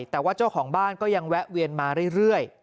แต่ว่าเจ้าของบ้านก็ยังแวะเวียนมาเรื่อย